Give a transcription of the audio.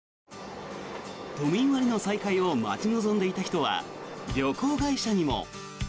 都民割の再開を待ち望んでいた人は旅行会社にも。